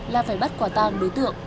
là phải bắt quả tang đối tượng